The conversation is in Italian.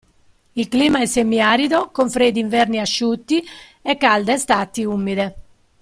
Il clima è semi-arido con freddi inverni asciutti e calde estati umide.